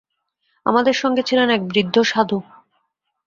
আমাদের সঙ্গে ছিলেন এক বৃদ্ধ সাধু।